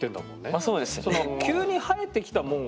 まあそうですよね。